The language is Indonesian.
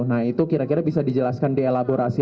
nah itu kira kira bisa dijelaskan dielaborasi